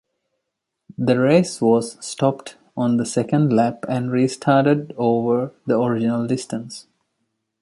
The race was stopped on the second lap and restarted over the original distance.